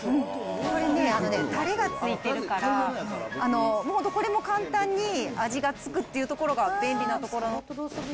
これね、たれが付いてるから、本当これも簡単に味が付くっていうところが便利なところ。